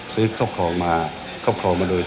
ซื้อครอบครองมาครอบครองมาโดยตลอด